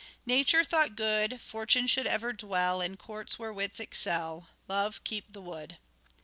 Nature thought good, Fortune should ever dwell In court where wits excel, Love keep the wood.